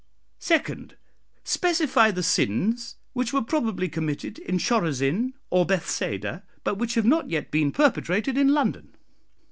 "Second, Specify the sins which were probably committed in Chorazin or Bethsaida, but which have not yet been perpetrated in London.